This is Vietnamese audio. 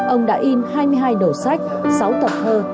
ông đã in hai mươi hai đầu sách sáu tập thơ